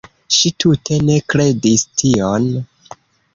Ŝi tute ne kredis tion.